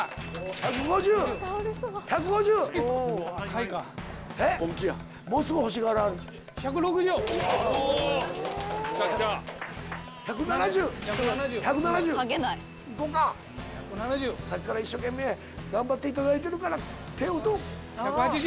さっきから一生懸命頑張っていただいてるから。